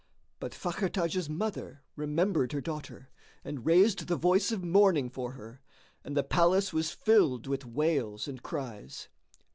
But Fakhr Taj's mother remembered her daughter and raised the voice of mourning for her, and the palace was filled with wails and cries.